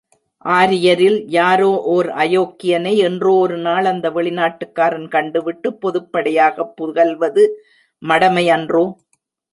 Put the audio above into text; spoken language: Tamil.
ஆரியரில் யாரோ ஓர் அயோக்கியனை, என்றோ ஒரு நாள் அந்த வெளிநாட்டுக்காரன் கண்டுவிட்டுப் பொதுப்படையாகப் புகல்வது மடமையன்றோ?